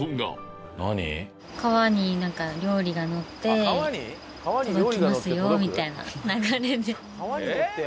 川に料理がのって届きますよみたいな流れで。